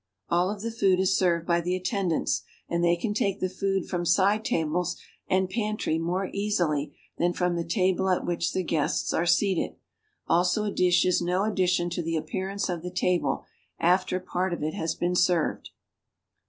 All of the food is served by the attendants and they can take the food from side tables and pantry more easily than from the table at which the guests are seated, also a dish is no addition to the appearance of the table after part of it has been served.